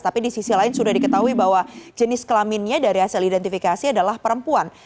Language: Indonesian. tapi di sisi lain sudah diketahui bahwa jenis kelaminnya dari hasil identifikasi adalah perempuan